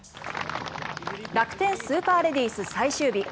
楽天スーパーレディース最終日。